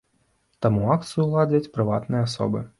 Таму акцыю ладзяць прыватныя асобы.